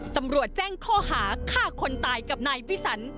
ตำรวจแจ้งข้อหาฆ่าคนตายกับนายวิสัน